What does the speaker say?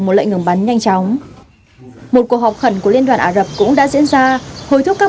một lệnh ngừng bắn nhanh chóng một cuộc họp khẩn của liên đoàn ả rập cũng đã diễn ra hối thúc các